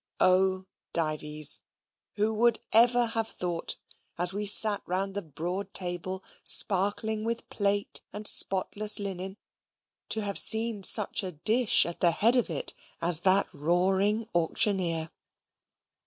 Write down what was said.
O Dives, who would ever have thought, as we sat round the broad table sparkling with plate and spotless linen, to have seen such a dish at the head of it as that roaring auctioneer?